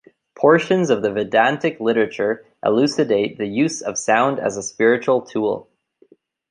Portions of the Vedantic literature elucidate the use of sound as a spiritual tool.